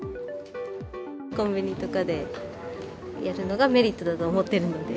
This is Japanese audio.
コンビニとかでやるのがメリットだと思ってるので。